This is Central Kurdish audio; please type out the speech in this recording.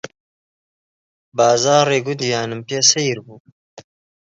بازاڕی گوندیانم پێ سەیر بوو